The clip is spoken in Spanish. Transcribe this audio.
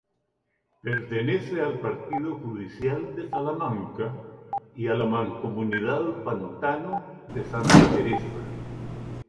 Pertenece al partido judicial de Salamanca y a la Mancomunidad Pantano de Santa Teresa.